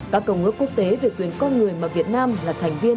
các công ước quốc tế về quyền con người mà việt nam là thành viên